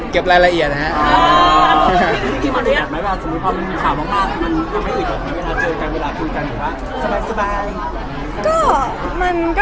รายละเอียดนะครับ